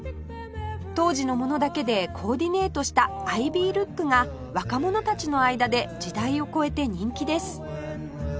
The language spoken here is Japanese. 当時のものだけでコーディネートしたアイビールックが若者たちの間で時代を超えて人気です